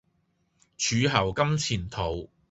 柱侯金錢肚